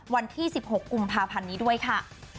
วันที่๑๖กุมภาพันธ์นี้ด้วยค่ะ